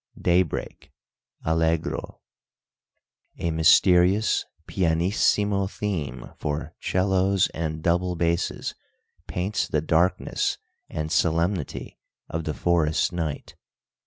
DAYBREAK (Allegro) A mysterious pianissimo theme for 'cellos and double basses paints the darkness and solemnity of the forest night.